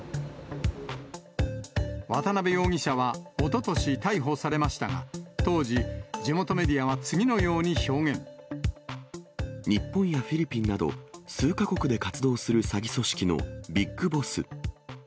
渡辺容疑者は、おととし逮捕されましたが、当時、地元メディアは次のように日本やフィリピンなど、数か国で活動する詐欺組織のビッグボス。